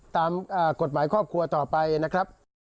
ตามกฎหมายครอบครัวต่อไปนะครับ